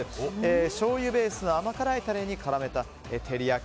しょうゆベースの甘辛いタレに絡めた照り焼き